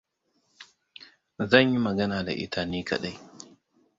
Zan yi magana da ita ni kaɗai.